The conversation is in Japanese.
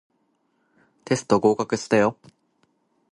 テスト合格したよ